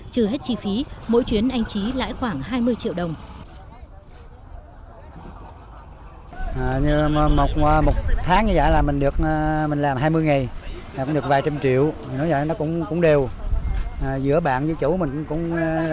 trừ hết chi phí mỗi chuyến anh trí lãi khoảng hai mươi triệu đồng